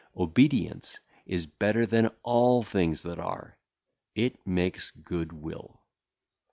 Obedience is better than all things that are; it maketh good will.